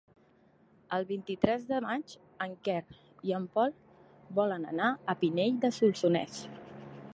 El vint-i-tres de maig en Quer i en Pol volen anar a Pinell de Solsonès.